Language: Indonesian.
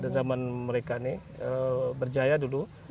zaman mereka ini berjaya dulu